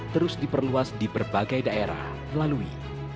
terus diperluas di berbagai daerah melalui